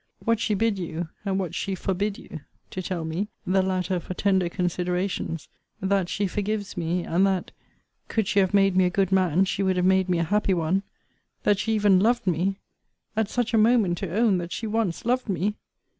What she bid you, and what she forbid you, to tell me, (the latter for tender considerations:) that she forgives me; and that, could she have made me a good man, she would have made me a happy one! That she even loved me! At such a moment to own that she once loved me!